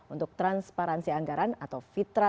untuk transparansi anggaran atau fitra